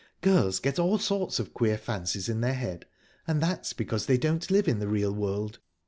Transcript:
Girls get all sorts of queer fancies in their heads, and that's because they don't live in the real world."